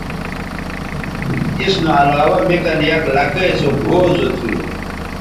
اس نو علاوہ می کن یک لکئے سوگھؤ زو تھو